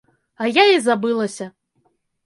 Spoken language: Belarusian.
А я і забылася.